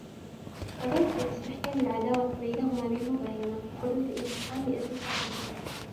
وَذَلِكَ لِاسْتِحْكَامِ الْعَدَاوَةِ بَيْنَهُمَا بِالْمُبَايَنَةِ ، وَحُدُوثِ الِانْتِقَامِ ؛ لِأَجَلِ التَّقَدُّمِ